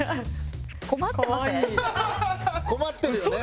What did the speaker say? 困ってるよね。